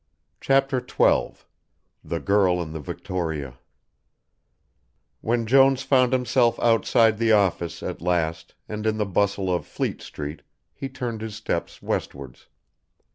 CHAPTER XII THE GIRL IN THE VICTORIA When Jones found himself outside the office at last, and in the bustle of Fleet Street, he turned his steps west wards.